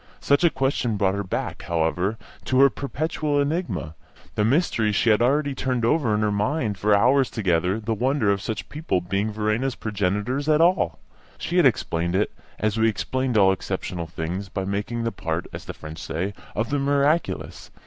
Such a question brought her back, however, to her perpetual enigma, the mystery she had already turned over in her mind for hours together the wonder of such people being Verena's progenitors at all. She had explained it, as we explain all exceptional things, by making the part, as the French say, of the miraculous.